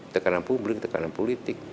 tekanan publik tekanan politik